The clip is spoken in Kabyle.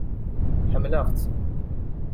Ḥemmleɣ-tt.